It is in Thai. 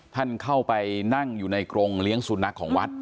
ท่านเข้าไปนั่งอยู่ในกรงเลี้ยงสุนัขของวัด